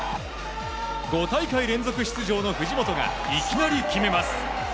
５大会連続出場の藤本がいきなり決めます。